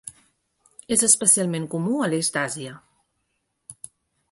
És especialment comú a l"Est d"Àsia.